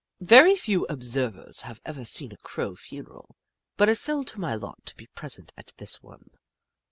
Very few observers have ever seen a Crow funeral, but it fell to my lot to be present at this one.